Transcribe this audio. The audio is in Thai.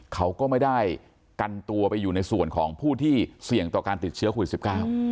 เขาก็ไม่ได้กันตัวไปอยู่ในส่วนของผู้ที่เสี่ยงต่อการติดเชื้อโควิดสิบเก้า